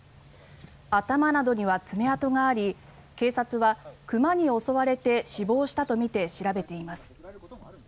頭などには爪痕があり警察は熊に襲われて死亡したとみて調べています。